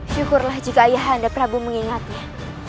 syukurlah jika ayahanda prabu mengingatnya